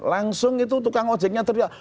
langsung itu tukang ojeknya teriak